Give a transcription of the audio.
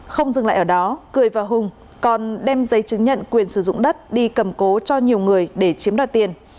không dừng lại ở đó cười và hùng còn đem giấy chứng nhận quyền sử dụng đất đi cầm cố cho nhiều người để chiếm đoạt tiền